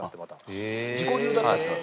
自己流だったんですか？